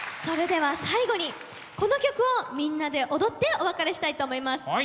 それでは最後にこの曲をみんなで踊ってお別れしたいと思います。